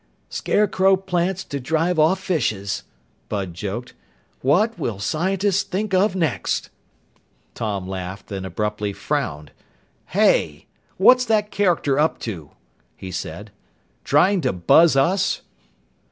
"Scarecrow plants to drive off fishes," Bud joked. "What will scientists think of next!" Tom laughed, then abruptly frowned. "Hey! What's that character up to?" he said. "Trying to buzz us?"